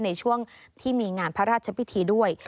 ในช่วงที่มีงานพระราชพิธีด้วย